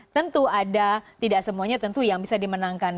tentu ada tidak semuanya tentu yang bisa dimenangkan